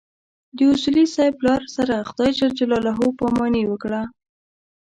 د اصولي صیب پلار سره خدای ج پاماني وکړه.